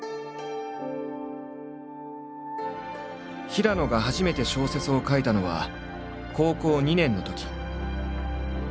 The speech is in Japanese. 平野が初めて小説を書いたのは高校２年のとき。